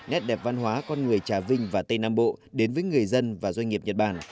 nét đẹp văn hóa con người trà vinh và tây nam bộ đến với người dân và doanh nghiệp nhật bản